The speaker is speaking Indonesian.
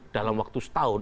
dalam waktu setahun